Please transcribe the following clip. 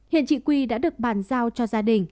hiện chị quy đã được bàn giao cho gia đình